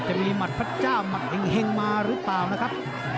จะมีหมัดพระเจ้าหมัดเห็งน์เห็งงมาหรือเปล่านะครับ